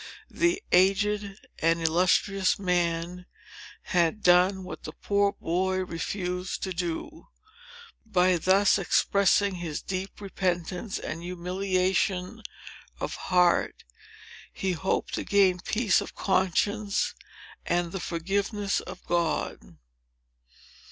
The aged and illustrious man had done what the poor boy refused to do. By thus expressing his deep repentance and humiliation of heart, he hoped to gain peace of conscience, and the forgiveness of God.